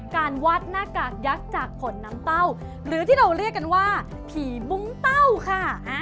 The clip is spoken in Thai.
การวาดหน้ากากยักษ์จากผลน้ำเต้าหรือที่เราเรียกกันว่าผีบุ้งเต้าค่ะ